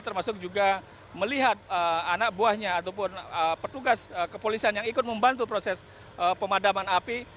termasuk juga melihat anak buahnya ataupun petugas kepolisian yang ikut membantu proses pemadaman api